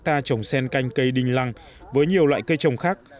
ta trồng sen canh cây đinh lăng với nhiều loại cây trồng khác